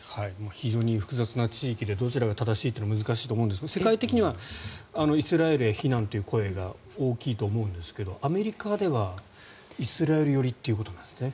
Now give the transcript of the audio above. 非常に複雑な地域でどちらが正しいというのは難しいと思うんですが世界的にはイスラエルへ非難という声が大きいと思うんですがアメリカではイスラエル寄りということなんですね。